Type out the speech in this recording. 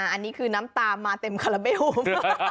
อันนี้คือน้ำตามาเต็มคาราเบล